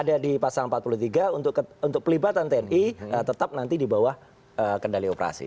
ada di pasal empat puluh tiga untuk pelibatan tni tetap nanti di bawah kendali operasi